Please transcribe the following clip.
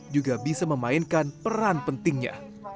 juga bisa memainkan peran pentingnya